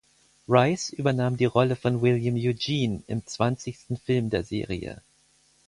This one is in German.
Rice übernahm die Rolle von William Eugene im zwanzigsten Film der Serie.